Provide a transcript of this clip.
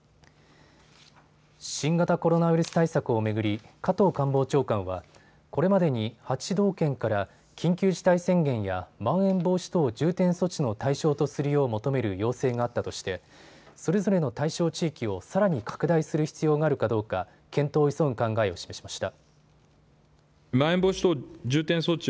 新型コロナウイルス対策を巡り加藤官房長官はこれまでに８道県から緊急事態宣言や、まん延防止等重点措置の対象とするよう求める要請があったとしてそれぞれの対象地域をさらに拡大する必要があるかどうか検討を急ぐ考えを示しました。